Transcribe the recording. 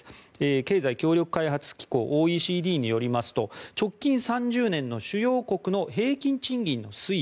経済協力開発機構・ＯＥＣＤによりますと直近３０年の主要国の平均賃金の推移。